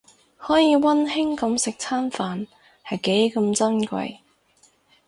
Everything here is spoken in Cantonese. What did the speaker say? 可以溫馨噉食餐飯係幾咁珍貴